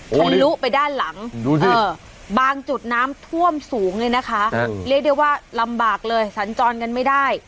ทะลุไปด้านหลังบางจุดน้ำท่วมสูงเลยนะคะเรียกได้ว่าลำบากเลยสัญจรกันไม่ได้